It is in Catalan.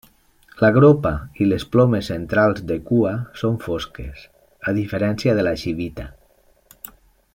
La gropa i les plomes centrals de cua són fosques, a diferència de la xivita.